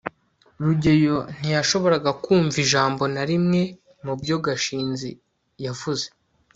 rugeyo ntiyashoboraga kumva ijambo na rimwe mubyo gashinzi yavuze